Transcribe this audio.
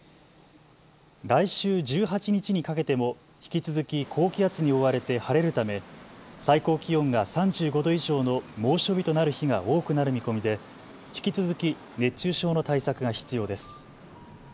来週１８日にかけても引き続き高気圧に覆われて晴れるため最高気温が３５度以上の猛暑日となる日が多くなる見込みで引き続き熱中症の対策が必要です。